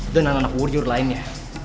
dan anak anak warior lainnya